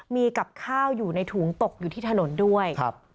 มีกับข้าวอยู่ในถุงตกอยู่ที่ถนนด้วย